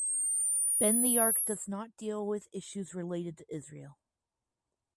Bend the Arc does not deal with issues related to Israel.